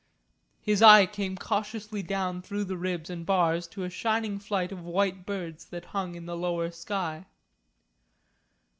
His eye came cautiously down through the ribs and bars to a shining flight of white birds that hung in the lower sky.